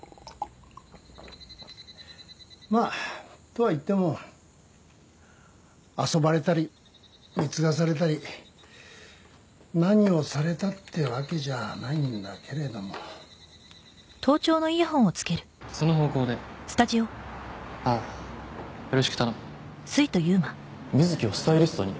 まあとはいっても遊ばれたり貢がされたり何をされたってわけじゃないんだけれどもその方向でああよろしく頼む瑞貴をスタイリストに？